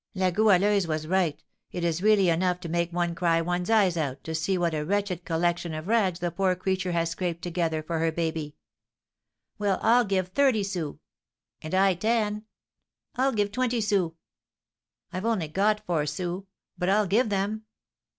"La Goualeuse was right. It is really enough to make one cry one's eyes out, to see what a wretched collection of rags the poor creature has scraped together for her baby." "Well, I'll give thirty sous." "And I ten." "I'll give twenty sous." "I've only got four sous, but I'll give them."